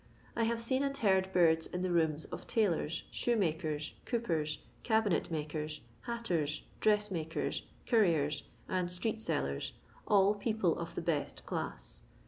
I have seen and heard birds in the rooms of tailors, shoemakers, coopers, cabinet makers, hatters, dressmakers, curriers, and street sellers, — all people of the best class.